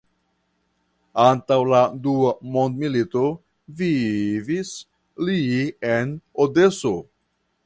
Antaŭ la Dua mondmilito vivis li en Odeso.